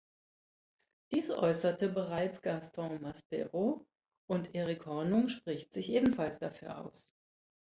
Dies äußerte bereits Gaston Maspero und Erik Hornung spricht sich ebenfalls dafür aus.